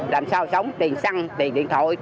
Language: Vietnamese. làm sao sống tiền xăng tiền điện thoại